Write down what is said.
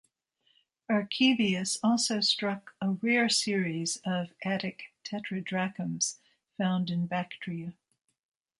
Archebius also struck a rare series of Attic tetradrachms, found in Bactria.